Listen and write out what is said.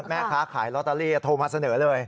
แม่ค้าขายลอตเตอรี่โทรมาเสนอเลย